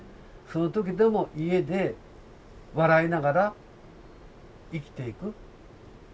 その時でも家で笑いながら生きていく。